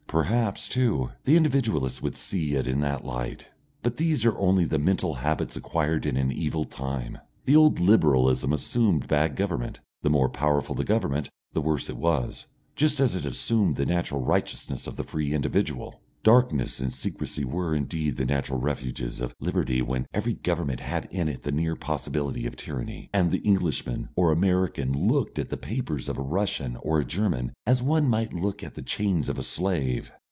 Perhaps, too, the Individualist would see it in that light. But these are only the mental habits acquired in an evil time. The old Liberalism assumed bad government, the more powerful the government the worse it was, just as it assumed the natural righteousness of the free individual. Darkness and secrecy were, indeed, the natural refuges of liberty when every government had in it the near possibility of tyranny, and the Englishman or American looked at the papers of a Russian or a German as one might look at the chains of a slave.